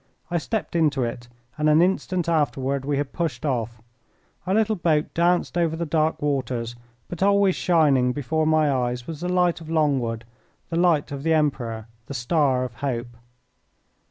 I stepped into it, and an instant afterward we had pushed off. Our little boat danced over the dark waters, but always shining before my eyes was the light of Longwood, the light of the Emperor, the star of hope.